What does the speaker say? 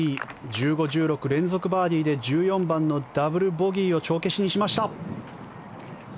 １５、１６、連続バーディーで１４番のダブルボギーを帳消しにしました。